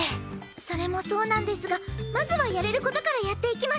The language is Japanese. それもそうなんですがまずはやれることからやっていきましょう。